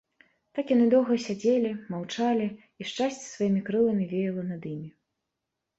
Так яны доўга сядзелі, маўчалі, і шчасце сваімі крыламі веяла над імі.